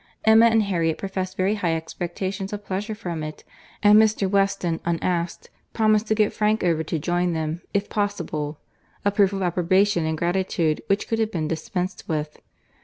—Emma and Harriet professed very high expectations of pleasure from it; and Mr. Weston, unasked, promised to get Frank over to join them, if possible; a proof of approbation and gratitude which could have been dispensed with.